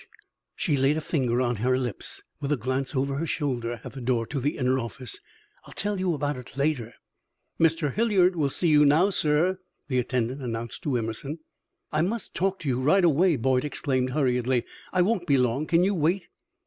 She laid a finger on her lips, with a glance over her shoulder at the door to the inner office. "I'll tell you about it later." "Mr. Hilliard will see you now, sir," the attendant announced to Emerson. "I must talk to you right away!" Boyd exclaimed, hurriedly. "I won't be long. Can you wait?"